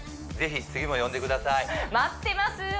ぜひ次も呼んでください待ってます